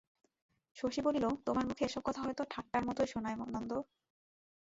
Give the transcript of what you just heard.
শশী বলিল, তোমার মুখে এসব কথা হয়তো ঠাট্টার মতোই শোনায় নন্দ।